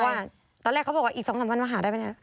เพราะหนูบอกว่าตอนแรกเขาบอกว่าอีก๒๓วันมาหาได้ไหมเนี่ย